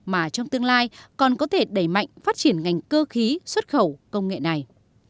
mà trong tương lai còn có thể đẩy mạnh phát triển ngành cơ khí xuất khẩu công nghệ này